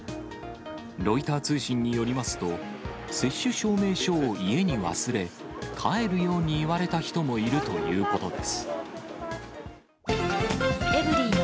ロイター通信によりますと、接種証明書を家に忘れ、帰るように言われた人もいるということです。